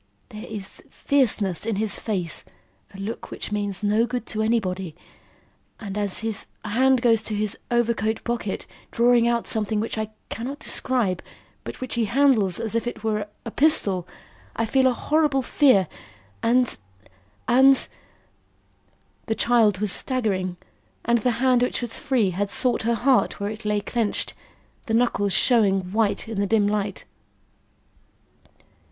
There is fierceness in his face a look which means no good to anybody and as his hand goes to his overcoat pocket, drawing out something which I cannot describe, but which he handles as if it were a pistol, I feel a horrible fear, and and " The child was staggering, and the hand which was free had sought her heart where it lay clenched, the knuckles showing white in the dim light.